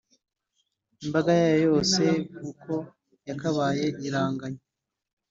Imbaga yayo yose uko yakabaye iraganya,